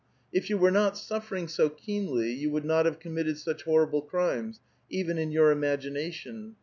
If you were not sufFering so keenly, you would not have com mitted such horrible crimes, even in your imagination.